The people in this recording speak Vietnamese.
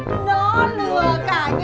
ông quyết chiến